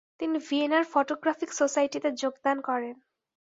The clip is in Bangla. তিনি ভিয়েনার ফটোগ্রাফিক সোসাইটিতে যোগদান করেন।